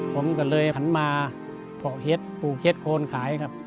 ผมก็เลยหันมาเพาะเห็ดปลูกเห็ดโคนขายครับ